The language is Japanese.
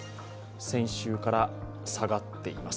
先週から下がっています。